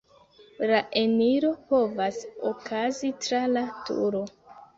La eniro povas okazi tra la turo.